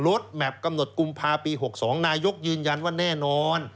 แมพกำหนดกุมภาปี๖๒นายกยืนยันว่าแน่นอน